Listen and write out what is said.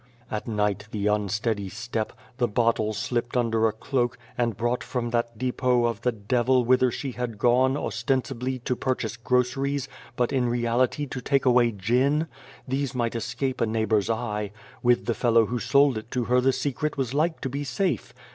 "' At night the unsteady step, the bottle slipped under a cloak, and brought from that depot of the devil whither she had gone, ostensibly, to purchase groceries, but in reality to take away gin these might escape a neigh bour's eye. With the fellow who sold it to her the secret was like to be safe.